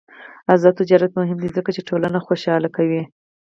آزاد تجارت مهم دی ځکه چې ټولنه خوشحاله کوي.